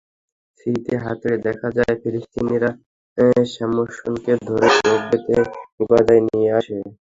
স্মৃতি হাতড়ে দেখা যায়, ফিলিস্তিনিরা স্যামসনকে ধরে চোখ বেঁধে গাজায় নিয়ে আসে।